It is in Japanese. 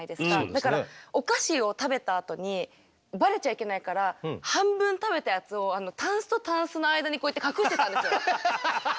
だからお菓子を食べたあとにバレちゃいけないから半分食べたやつをタンスとタンスの間にこうやって隠してたんですよ。